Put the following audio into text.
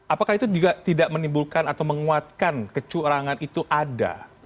apakah itu juga tidak menimbulkan atau menguatkan kecurangan itu ada